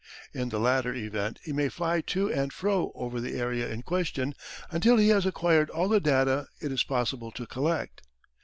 In the latter event he may fly to and fro over the area in question until he has acquired all the data it is possible to collect.